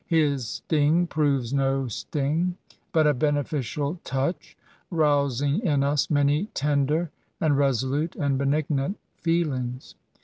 His sting proves no sting, but a beneficial touch rousing in us many tender, and resolute, and benignant feelings.